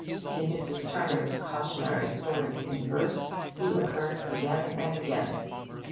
In Mrs. Turner's Cautionary Stories in Verse he occurs again and again.